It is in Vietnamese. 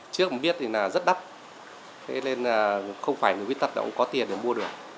trước mình biết thì là rất đắt thế nên là không phải người khuyết tật cũng có tiền để mua được